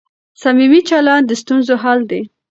صمیمي چلند د ستونزو حل دی.